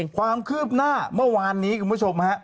ความคืบหน้าเมื่อวานนี้คุณผู้ชมฮะ